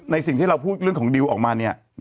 สิ่งที่เราพูดเรื่องของดิวออกมาเนี่ย